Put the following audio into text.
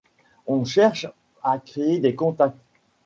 On cherche à créer des contacts.